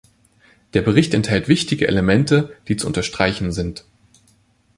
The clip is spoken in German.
Der Bericht enthält wichtige Elemente, die zu unterstreichen sind.